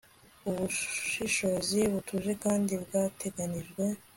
Ubushishozi butuje kandi bwateganijwe